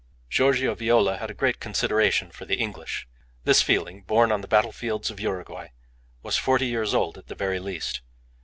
Giorgio Viola had a great consideration for the English. This feeling, born on the battlefields of Uruguay, was forty years old at the very least.